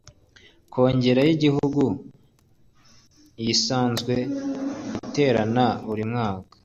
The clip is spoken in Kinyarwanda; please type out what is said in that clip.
kongere y igihuigu isazwe iterana buri myaka